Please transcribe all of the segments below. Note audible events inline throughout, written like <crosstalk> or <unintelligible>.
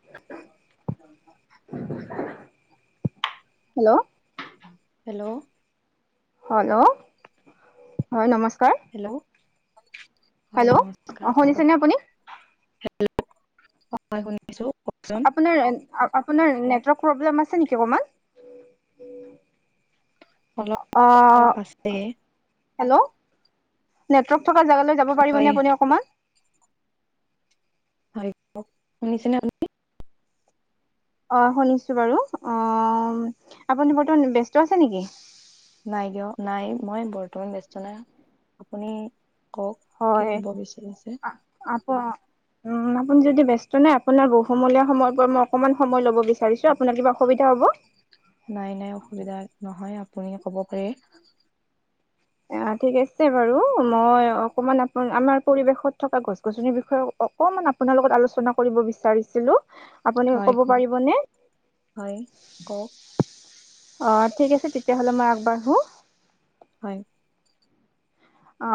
<inaudible> Hello hello, hello হয় নমস্কাৰ hello, হয় হেল্ল', অ, শুনিছেনে আপুনি? হেল্ল, অ, হয় শু আপোনাৰ আপোনাৰ নেটৰ্ব্ক প্ৰেম আছে নেকি অকমান অলপ অ অলপ আছে। হেল্ল', নেটৱৰ্ক থকা জেগালৈ যাব পাৰিব হয় নে আপুনি অকমান হয়, শুনিচিন নে আপুনি অ, শুনিছো বাৰু অ আপুনি বৰ্তমান ব্যস্ত আছে নেকি? নাই কিয় নাই মই বৰ্তমান ব্যস্ত নাই আপুনি কওক কি কব বিচাৰিছে? অ, উম আপোনি যদি ব্যস্ত নে, আপোনাৰ বহুমূলীয়া সময় পৰা মই অকনমান সময় ল'ব বিচাৰিছো আপোনাৰ কিবা অসুবিধা হ'ব? নাই-নাই অসুবিধা নহয় আপুনি কব পাৰে। অ, ঠিক আছে বাৰু, মই অকমান আপ আমাৰ পৰিৱেশত থকা গছ গছনিৰ বিষয়ে অকমান আপোনাৰ লগত আলোচনা কৰিব বিচাৰিছিলো। আপুনি হয় ক'ব কওক পাৰিবনে? হয় কওক অ, ঠিক আছে। তেতিয়াহ'লে মই আগবাঢ়ো। হয়, অ,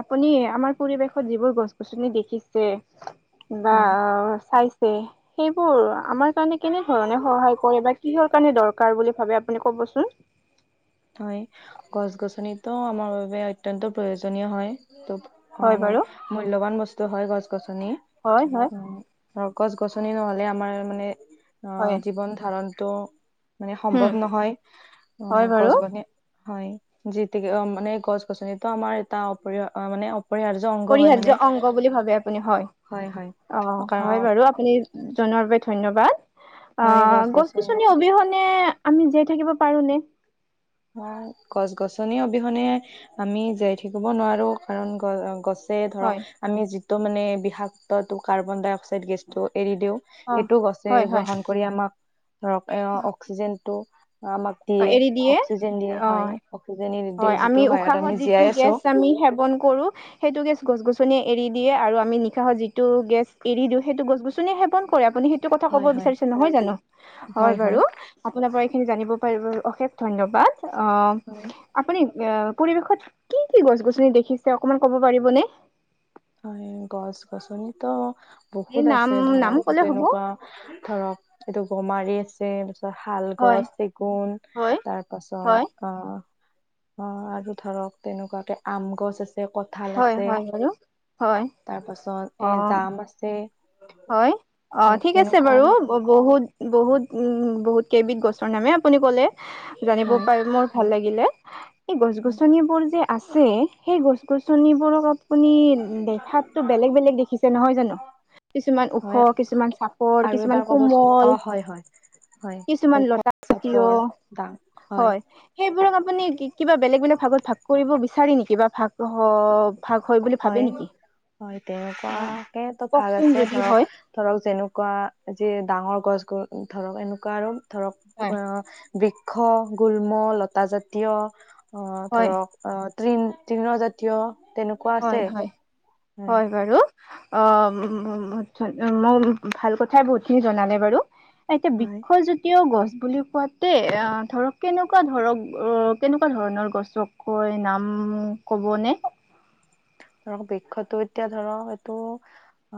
আপুনি আমাৰ পৰিৱেশত যিবোৰ গছ গছনি দেখিছে বা হয় চাইছে সেইবোৰ আমাৰ <unintelligible> কেনে ধৰণে সহায় কৰে বা কিহৰ কাৰণে দৰকাৰ বুলি ভাবে আপুনি কবচোন? হয়, গছ গছনিতটো আমাৰ বাবে অত্য়ন্ত প্ৰয়োজনীয় হয়। অ বাৰু মূল্যবান বস্তু হয় গছ গছ হয়-হয়। আৰু গছ গছনি নহলে আমাৰ মানে অ হয় জীৱন ধাৰণতটো মানে উম সম্ভৱ নহয় হয় আহ বাৰু গছ গনি হয়, যি অ মানে গছ গছনিতটো আমাৰ এটা অপৰি মানে অপৰিহাৰ্য অংগ হয় মানে পৰিহাৰ্য অংগ বুলি ভাবে আপুনি হয়। অ, হয় কাৰণ বাৰু আপুনি জনোৱাৰ বাবে ধন্যবাদ অ, গছ গছনি অবিহনে আমি যে থাকিব পাৰো নে অ গছ গছনি অবিহনে আমি জীয়াই থাকিব নোৱাৰো কাৰণ গ গছ যে হয় ধৰক, আমি যিটো মানে বিষাক্ত টো কাৰ্বন ডাই অক্সাইড গেছটোত এৰি দিওঁ। অ সেইটোও গছে হয় হয় গ্ৰহণ কৰি আমাক ধৰক এ অক্সিজেনটো আমাক অ দিয়ে এৰি অক্সিজেন দিয়ে অ হয় অক্সিজেন হয়', আমি যিটোৰ সহায়ত আমি উশাহত যিটো জীয়াই আছো গেছ আমি সেৱন কৰো। সেইটো গেছ গছ এৰি দিয়ে আৰু আমি নিশাহৰ যিটো গেছ এৰি দিওঁ। সেইটো গছ -গছনি সেৱন কৰে আপুনি সেইটো কথা ক'ব হয় হয় বিচাৰি নহয় জানো। হয় বাৰু, আপোনাৰ পৰা এই খিনি জানিব অশেষ ধন্যবাদ। অ, হয় অ', পৰিৱেশত কি কি গছ -গছনি দেখিছে অকমান ক'ব পাৰিবনে? হয়', গছ -গছনি টো এই বহুত নাম আছে নাম ধৰক ক'লে হ'ব যেনেকুৱা ধৰক এইটো গমাৰি আছে। ত শাল হয় গছ, চেগুন হয় তাৰ হয় পাছত অ' অ', আৰু ধৰক তেনেকুৱাকে আম গছ আছে, কঁঠাল হয় আছে। হয় বাৰু হয় তাৰ অ পাছত এ জাম আছে। হয়', অ' ধৰক ঠিক আছে তেনেকুৱা বাৰু আৰু বহুত বহুত উম, বহুত কেইবিধ গছৰ নামে আপুনি ক'লে। জানিব হয় পাৰি মোৰ ভাল লাগিলে। এই গছ -গছনিবোৰ যে আছে। সেই গছ গছনিবোৰক আপু আপুনি দেখাতটো বেলেগ বেলেগ দেখিছে নহয় জানো? কিছুমান ওখ, হয় কিছুমান চাপৰ, আৰু কিছুমান এবাৰ ক'বচোন কোমল, অ হয় হয় হয় কিছুমান ঔষধ লতা জাতীয় চাপৰ দাম হয়। সেই সেই বিলাক আপুনি কিবা বেলেগ বেলেগ ভাগত ভাগ কৰিব বিচাৰে নেকি? বা ভাগ অ, ভাগ হয় বুলি ভাবে নেকি হয় অ', তেনেকুৱাকেতো ক ভাগ আছে ধৰক ধৰক, যেনেকুৱা যিয়ে ডাঙৰ গছ বোৰ ধৰক এনেকুৱা আৰু ধৰক, হয় অ বৃক্ষ গুল্ম লতা জাতীয় অ' হয় ধৰক অ' তৃণ তৃণজাতীয় তেনেকুৱা আছে হয়', হয়', হয়', বাৰু অ', ম মই ভাল কথাই বহুতখিনি জনালে বাৰু, এতিয়া হয় বৃক্ষজাতীয়ও গছ। বুলি কোৱাতে অ ধৰক, কেনেকুৱা ধৰক অ, কেনেকুৱা ধৰণৰ গছকৈ নাম উম, ক'বনে? ধৰক, বৃক্ষটো এতিয়া ধৰক এইটো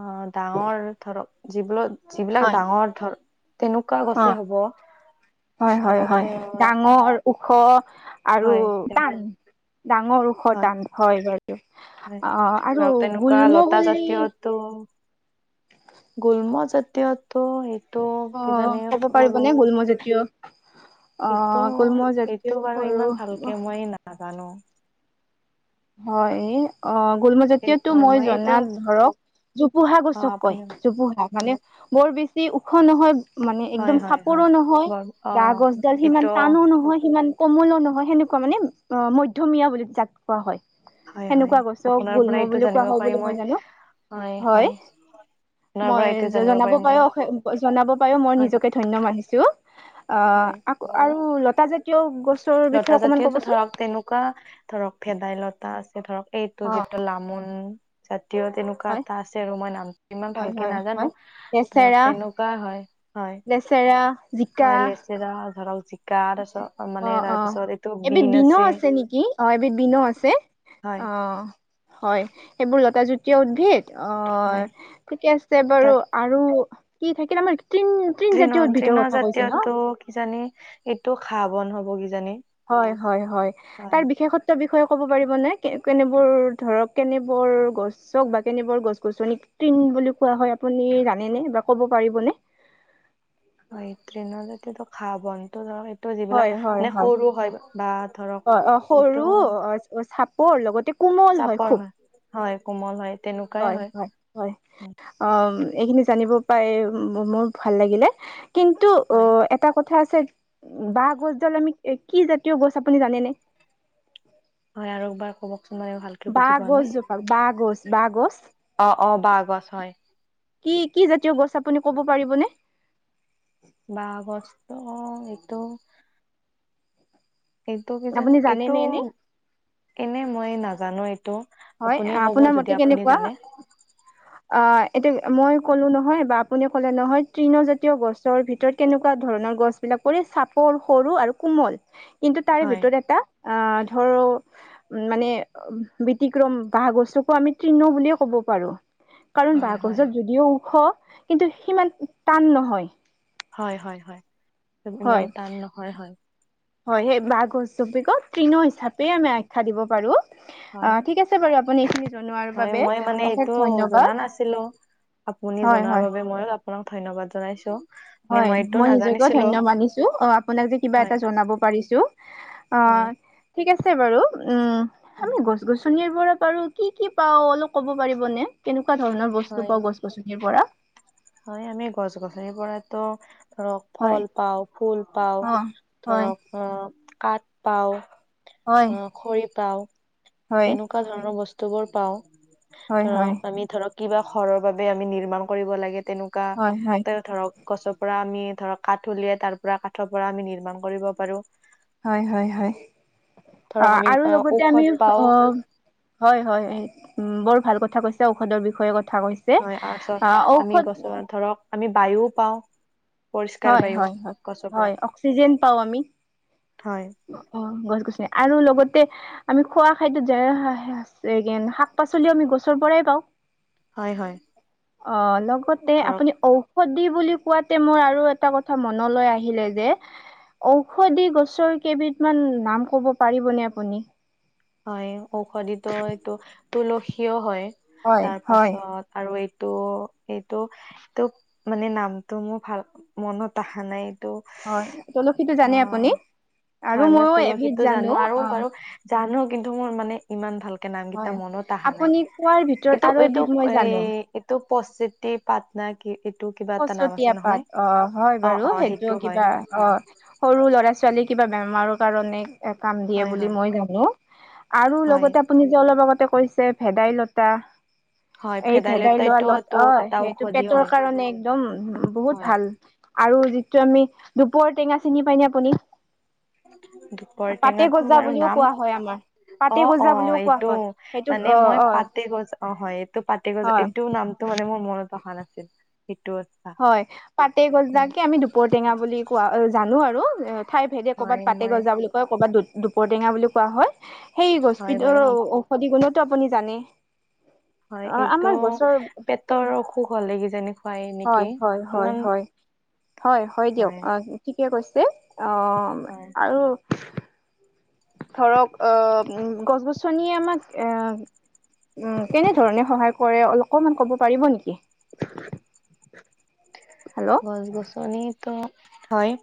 অ ডাঙৰ ধৰক যিবোৰ যিবিলাক হয় ডাঙৰ ধৰ তেনেকুৱা অ গছে হ'ব। হয়', হয়', ধৰক হয়', এ ডাঙৰ ওখ আৰু হয় টান তেনেকুৱা ডাঙৰ ওখ টান হয় বাইদেউ। হয়', ধৰক তেনেকুৱা লতা জাতীয়টো গোল্ম জাতীয় টো ত অ কিজানি ক'ব সৰু পাৰিবনে গুল্মজাতীয় অ এইটো, গুল্মজাতীয় এইটো বাৰু ইমান সৰু ভালকে মই নাজানো। হয়', এই অ', এই গোল্মজাতীয়টো হয় মই এইটো জনাত ধৰক জোপোহা অ গছক কয় আপুনি জোপোহা মানে বৰ বেছি ওখ নহয় মানে হয় একদম হয় চাপৰো হয় নহয়। গম অ গা গছডাল সিমান এইটো টানো নহয়। সিমান কোমলো নহয় সেনেকুৱা মানে অ মধ্যমীয়া বুলি যাক কোৱা হয়। হয় হয় সেনেকুৱা গছক আপোনাৰ গুল্ম পৰা এইটো বুলি কোৱা জানিব হয় পাৰি বুলি মই জানো। হয়, আপোনাৰ মই পৰা এইটো জানিব জনাব পাৰি মই পাৰো জনাব পাৰো মই হয় নিজকে ধন্য মানিছো। হয় আহ আকৌ হয়। আৰু লতা জাতীয় গছৰ লতা বিষয়ে অকমান জাতীয়তো কবচোন? ধৰক তেনেকুৱা ধৰক ভেদাইলতা আছে। ধৰক এইটো অ যিটো লামোন এতিয়াও তেনেকুৱা হয় এটা আছে আৰু মই নামটো ইমান হয় ভালকে হয় নাজানো। হয় ধৰক লেচেৰা তেনেকুৱা হয়। হয় লেচেৰা, জিকা হয়' লেচৈৰা ধৰাক অ অ এবিধ বিন আছে নেকি অ এবিধ বিন আছে হয় অ হয় এইবোৰ লতা জুতীয়া উদ্ভিদ অ হয় ঠিকে আছে বাৰু তাত আৰু কি থাকিল আমাৰ তৃণ তৃণ তৃণজাতীয় উদ্ভিদৰ তৃণ কথা কৈছে ন জাতীয়টো কিজানি এইটো খা বন হব কিজানি হয় হয় হয় তাৰ বিশেষত্বৰ বিষয়ে ক'ব পাৰিবনে কেনেবোৰ ধৰক কেনেবোৰ গছক বা কেনেবোৰ গছ গছনি কি বুলি কোৱা হয় আপোনী জানেনে বা ক'ব পাৰিবনে অ ট্ৰেইনৰত খা বনতো ধ টো হয় যিবিলাক হয় মানে সৰু হয় বা অ ধৰক সৰু এইটো অ চাপৰ লগতে কোমল চাপৰ খুব হয় হয় কোমল হয় হয় হয় হয় এইখিনি জানিব পাই মোৰ ভাল লাগিলে কিন্তু অ হয় এটা কথা কঠ আছে বাঁহ গছডাল আমি কি জাতীয় গছ আপুনি জানেনে হয় আৰু একবাৰ ক'ব তমাৰও ভালকে বুজি বাঁহ পোৱা নাই গছজোপা বাঁহ গছ বাঁহ গছ অ অ বহ গছ হয় কি কি জাতীয় গছ আপুনি ক'ব পাৰিবনে বাহ বস্ত এইটো এইটো কিজান আপুনি এইটো জানেনে এনে এনে মই নাজানো এই হয় আপোনাৰ মতে কেনেকুৱা অ এতিটো মই ক'লো নহয় বা আপুনি ক'লে নহয় তৃণজাতীয় গছৰ ভিতৰত কেনেকুৱা ধৰণৰ গছ বিলাক চাপৰ সৰু আৰু কোমল কিন্তু তাৰে হয় ভিতৰত এটা আহ ধৰো মানে অতিক্ৰম বাঁহগছোকো আমি তৃণ বুলিয়ে ক'ব পাৰো কাৰণ হয় হয় বাঁহগছত যদিও ওখ কিন্তু সিমান টান নহয় হয় হয় হয় ইমান হয় টান নহয় হয় হয় সেই বাহ অ হয় ঠিক আছে বাৰু আপুনি এইিন হয় মই মানে এইটো জনা নাছিলো আপুনি হয় হয় জনাৰ বাবে মই আপোনাক ধন্যবাদ জনাইছো মানে হয় এইটো মই নিজকেও নাজানিছিলো ধন্য মানিছো অ আপোনাক যে কিবা হয় এটা জনাব পাৰিছো অ হয় ঠিক আছে বাৰু উম উম, আমি গছ গছ গছনিৰ পৰা পাৰো কি কি পাও অলপ ক'ব পাৰিবনেে কেনেকুৱা ধৰণৰ বস্তু হয় পাও গছ গছনিৰ পৰা হয় আমি গছ গছনিৰ পৰাতো ধৰক হয় ফল পাওঁ ফুল পাও অ হয় ধৰক অ কাঠ পাওঁ হয় আহক হয় ধৰক হয় হয় আমি ধৰক কিবা খৰৰ বাবে আমি নিৰ্মাণ কৰিব লাগে তেনেকুৱা হয় হয় তেওঁ ধৰক গছৰ পৰা আমি ধৰক কাঠ উলিয়াই তাৰ পৰা কাঠৰ পৰা আমি নিৰ্মাণ কৰিব পাৰো হয় হয় হয় অ ধৰক আমি আৰু লগতে আমি ঔষধ পাও অ হয় হয় উ বৰ ভাল কথা কৈছে ঔষধৰ বিষয়ে কথা কথা কৈছে হয় আহ তাৰপিছত আমি ঔষধ গছৰ ধৰক আমি বায়ু পাওঁ পৰিষ্কাৰ হয় বায়ু হয় গছৰ পৰা হয় অক্সিজেন পাওঁ আমি হয় অ গছ গ আৰু লগতে আমি খোৱা খাদ্ওৈত যে শাক পাচলিও আমি গছৰ পৰাই পাওঁ হয় হয় অ লগতে ধৰক আপুনি ঔষধি বুলি কোৱাতে মই আৰু এটা কথা মনলৈ আহিলে যে ঔষধি গছৰ কেইবিধমান নাম ক'ব পাৰিবনে আপুনি হয় ঔষধিতো এইটো তুলসীও হয় হয় তাৰ হয় পাছত আৰু এইটো, এইটো, এইটো মানে নামটো মোৰ ভাল মনত অহা নাই। অ হয় তুলসীটো জানে আপুনি আৰু হয় মই ময়ো এবিধ তুলসীটো জানো আৰু অ বাৰু জানো কিন্তু মোৰ মানে ইমান ভাল- নামকেইটা হয় মনত আহা নাই আপুনি কোৱাৰ ভিতৰত এইটো আৰু এইটো এবিধ মই এ জানো এইটো পচেটিৰ পাত না কি কিবা এটা নাম আছে সচতীয়া পাত নহয়। অ হয় অ বাৰু অ সেইটো হয় কিবা অ হয় সৰু ল'ৰা ছোৱালীক কিবা বেমাৰৰ কাৰণে এ কাম দিয়ে হয় বুলি হয় মই জানো আৰু হয় লগতে আপুনি যে অলপ আগতে কৈছে ভেদাইলতা হয় এই ভেদাই লোৱা ভেদাইলতাইতো লত টো অ এটা সেইটো ঔষধি পেটৰ হয় কাৰণে একদম বহুত হয় ভাল আৰু যিটো আমি দুপৰ টেঙা চিনি পাই নে আপুনি? পাতে দুপৰটেঙাটো গজা বাৰু বুলিও নাম কোৱা হয় আমাৰ অ পাতে অ গজা বুলিও কোৱা এইটো হয় সেইটো মানে অ মই অ পাতে গছ অ হয় এইটো পাতে গছ হয় এইটো নামটো মানে মোৰ মনত অহা নাছিল। সেইটো আচ্ছা হয় পাতে হয় গ'জাকে আমি দুপৰ টেঙা বুলি কোৱা জানো আৰু ঠাই ভেদে হয় ক'ৰবাত পাতে মই গজা বুলি। কয় ক'ৰবাত দু দুপৰটেঙা বুলি কোৱা হয়। সেই হয় গছবিধৰ বাৰু ও ঔষধি গুণতো আপুনি জানে। হয় অ এইটো আমাৰ গছৰ পেটৰ অসুখ হ'লে কিজানি হয় নেকি, হয় হয় ইমান। হয় হয়, হয়, দিয়ক অ' ঠিকে কৈছে অ' আৰু ধৰক অ' গছ গছনিয়ে আমাক এ উম কেনে ধৰণে সহায় কৰে অকমান ক'ব পাৰিব নেকি? <inaudible> হেল্ল' গছ গছনিটো হয় ব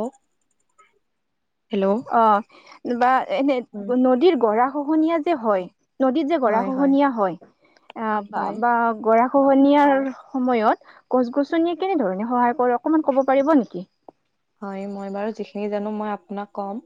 অ বা এনে হয় নদীৰ গৰা খহনীয়া যে হয় নদীত যে গৰা খহনীয়া হয় হয় অহ বা গৰা- -খহনিয়াৰ সময়ত গছ গছনিয়ে কেনেধৰণে সহায় কৰে অকনমান ক'ব পাৰিব নেকি? হয় মই বাৰু যিখিনি জানো মই আপোনাক কম।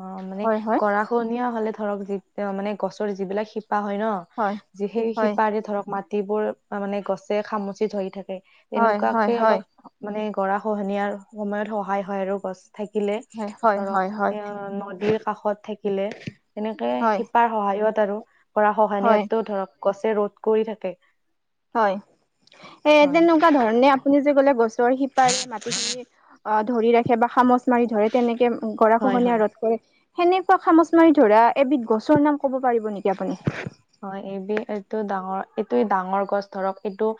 অ' মানে হয় হয় গৰাখনীয়া হ'লে ধৰক যি মানে গছৰ যিবিলাক শিপা শিপা হয় হয় ন যিখিনি হয় শিপাৰে ধৰক মাটিবোৰ মানে গছে খামুচি ধৰি থাকে। হয় হয় এনেকুৱাকে হয় অলপ মানে গৰা খহনীয়াৰ সময়ত সহায় হয় আৰু গছ। থাকিলে হয় হয় ধৰক হয় এ নদীৰ কাষত থাকিলে তেনেকে হয় শিপাৰ সহায়ত আৰু গৰা হয় খহনীয়াটো ধৰক গছে ৰ'ধ কৰি থাকে। হয়, এ হয় তেনেকুৱা ধৰণে আপুনি যে ক'লে। গছৰ শিপাৰে মাটিখিনি অ' ধৰি ৰাখে বা খামোচ মাৰি ধৰে তেনেকে হয় গৰাখহনীয়া হয় ৰধ কৰে। সেনেকুৱা খামোচ মাৰি ধৰা এবিধ গছৰ নাম ক'ব পাৰিব নেকি আপুনি? হয় এইবি এইটো ডাঙৰ এইটো ডাঙৰ গছ ধৰক এইটো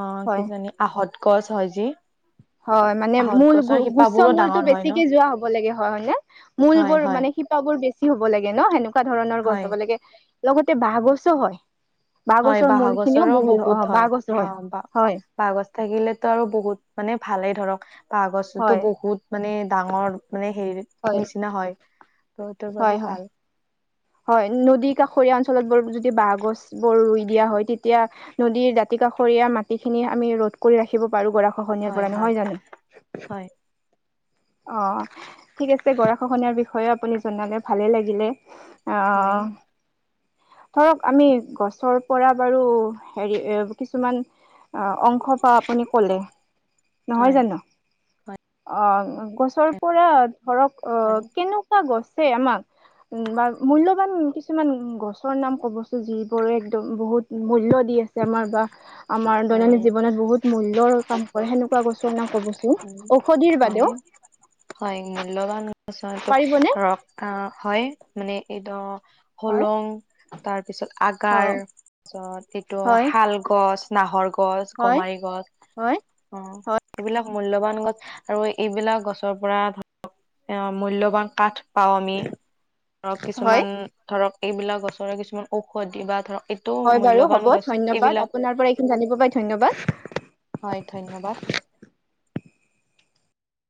অ' হয় কিজানি আহত গছ হয় যে হয় মানে মূল গুচ্চ মূলতটো ডাঙৰ হয় ন বেছিকে যোৱা হ'ব লাগে হয়, হয়নে মূল হয় বোৰ হয় মানে। শিপাবোৰ বেছি হ'ব লাগে ন সেনেকুৱা ধৰণৰ গছ হয় হ'ব লাগে লগতে বাঁহ গছো হয়। হয় গছৰ বাঁহ মূল খিনিও গছৰো অ বহুত বাঁহ হয় গছো অ' বা হয় বাঁহ গছ থাকিলেতো আৰু বহুত মানে ভালেই ধৰক বাঁহ গছতো হয় বহুত মানে ডাঙৰ মানে হেৰি হয় নিচিনা হয়। বহুতৰ হয় বাবে হয়। ভাল। হয় নদী কাষৰীয়া অঞ্চলত যদি বাহঁগছবোৰ ৰুই দিয়া হয়। তেতিয়া নদীৰ দাতি কাষৰীয়া মাটিখিনি আমি ৰধ কৰি ৰাখিব পাৰো গৰা খহনীয়াৰ হয় পৰা হয় নহয় জানো। হয় অ' ঠিক আছে, গৰা খহনাহীয়াৰ বিষয়ে আপুনি জনালে ভালে লাগিলে। অ' হয় অ'। ধৰক আমি গছৰ পৰা বাৰু হেৰি এ কিছুমান। অ' অংশ পা আপুনি ক'লে নহয় হয় জানো অ'। গছৰ পৰা ধৰক অ' আৰু কেনেকুৱা গছে আমাক উম, বা মূল্যবান কিছুমান গছৰ নাম ক'বচো যিবোৰে একদম বহুত মূল্য দিয়ে। আমাৰ বাহ। আমাৰ হয় দৈনন্দিন জীৱনত বহুত মূল্যৰ কাম কৰে সেনেকুৱা গছৰ নাম ক'ব চোন উম ঔষধিৰ হয় বাদেও। হয়, মূল্যবান গছ এইটো পাৰিবনে ধৰক অ' হয় মানে এই ধৰক। হয় হলং তাৰপিছত অ আগাৰ তাৰপিছত এইটো হয় শাল গছ। বাহৰ গছ, হয় গমাৰি গছ হয় অ'। এইবিলাক মূল্যবান গছ আৰু এইবিলাক গছৰ পৰা ধৰক এ মূল্যবান কাঠ। পাওঁ আমি ধৰক হয় কিছুমান ধৰক এইবিলাক গছৰে কিছুমান ঔষধি বা ধৰক। এইটো হয়, বাৰু মূল্যবান হ'ব, গছ ধন্যবাদ এইবিলাক আপোনাৰ পৰা এইখিনি জানিব পাই, ধন্যবাদ। হয়, ধন্যবাদ।